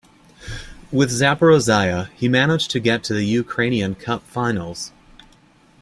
With Zaporizhya, he managed to get to the Ukrainian Cup finals.